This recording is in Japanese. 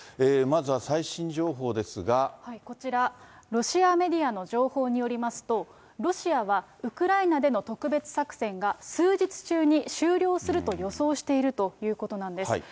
まずは最新情報ですがこちら、ロシアメディアの情報によりますと、ロシアはウクライナでの特別作戦が数日中に終了すると予想しているということなんです。